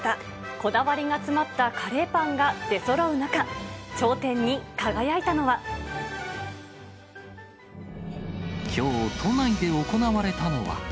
こだわりが詰まったカレーパンが出そろう中、頂点に輝いたのきょう、都内で行われたのは。